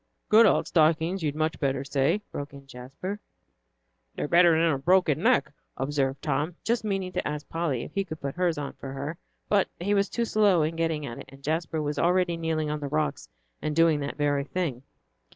"'Good old stockings,' you'd much better say," broke in Jasper. "They're better than a broken neck," observed Tom, just meaning to ask Polly if he could put hers on for her. But he was too slow in getting at it, and Jasper was already kneeling on the rocks and doing that very thing.